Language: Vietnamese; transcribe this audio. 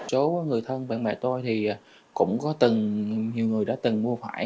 chỗ người thân bạn bè tôi thì cũng có từng nhiều người đã từng mua phải